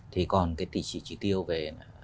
thì còn cái chỉ tiêu về